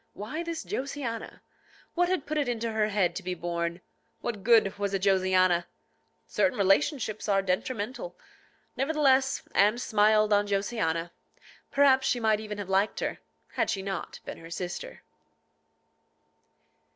Why this Josiana? What had put it into her head to be born? What good was a Josiana? Certain relationships are detrimental. Nevertheless, Anne smiled on Josiana. Perhaps she might even have liked her, had she not been her sister.